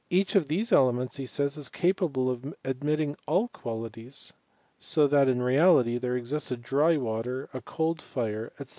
Each of these elements, he says, is capable of admitting all qualities, so that in reality there exists a dry water, a coldjire, &c.